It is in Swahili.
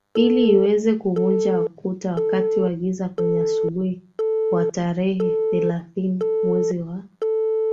ili iweze kuvunja kutaWakati wa giza kwenye asubuhi wa tarehre thelathini mwezi wa